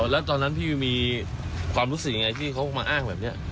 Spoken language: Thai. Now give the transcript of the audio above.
แล้วตอนนั้นพี่มีความรู้สึกยังไงที่เขามาอ้างแบบนี้